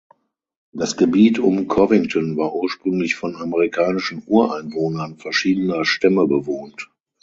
Das Gebiet um Covington war ursprünglich von amerikanischen Ureinwohnern verschiedener Stämme bewohnt.